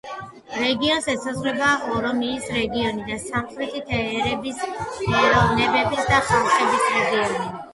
რეგიონს ესაზღვრება ორომიის რეგიონი და სამხრეთის ერების, ეროვნებების და ხალხების რეგიონი.